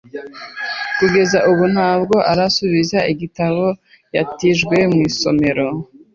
Kugeza ubu ntabwo arasubiza igitabo yatijwe mu isomero.